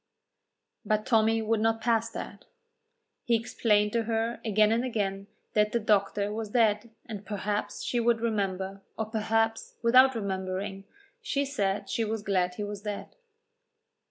But Tommy would not pass that. He explained to her again and again that the doctor was dead, and perhaps she would remember, or perhaps, without remembering, she said she was glad he was dead.